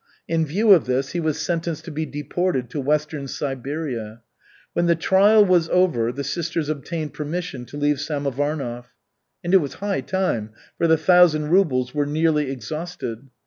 In view of this he was sentenced to be deported to Western Siberia. When the trial was over, the sisters obtained permission to leave Samovarnov. And it was high time, for the thousand rubles were nearly exhausted.